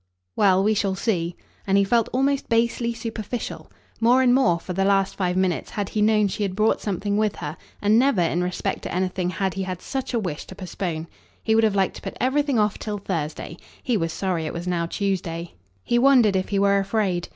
"Well, we shall see" and he felt almost basely superficial. More and more, for the last five minutes, had he known she had brought something with her, and never in respect to anything had he had such a wish to postpone. He would have liked to put everything off till Thursday; he was sorry it was now Tuesday; he wondered if he were afraid.